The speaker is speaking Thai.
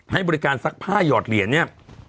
ให้บริการซักผ้าหยอดเหรียญเนี่ย